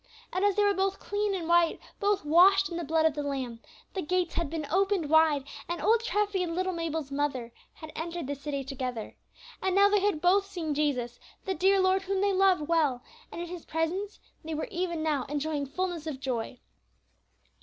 And as they were both clean and white, both washed in the blood of the Lamb, the gates had been opened wide, and old Treffy and little Mabel's mother had entered the city together. And now they had both seen Jesus, the dear Lord whom they loved well, and in His presence they were even now enjoying fulness of joy.